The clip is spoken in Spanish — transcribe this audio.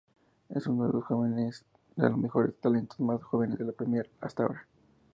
Es uno de los mejores talentos más jóvenes de la Premier hasta ahora.